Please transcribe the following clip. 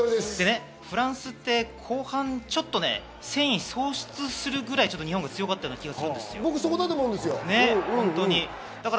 フランスって後半ちょっと戦意喪失するぐらい日本が強かった気が僕、そこだと思います。